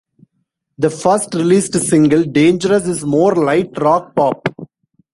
The first released single, "Dangerous", is more light rock-pop.